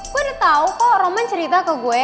gue udah tau kok roman cerita ke gue